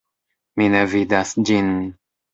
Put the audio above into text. Mi ne vidas ĝin.